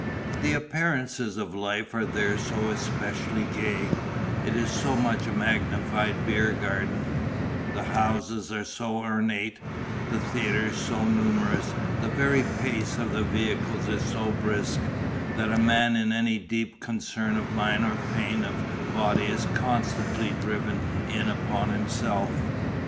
The appearances of life are there so especially gay, it is so much a magnified beer garden, the houses are so ornate, the theatres so numerous, the very pace of the vehicles is so brisk, that a man in any deep concern of mind or pain of body is constantly driven in upon himself.